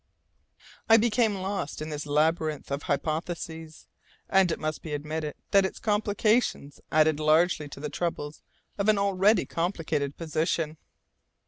I became lost in this labyrinth of hypotheses, and it must be admitted that its complications added largely to the troubles of an already complicated position.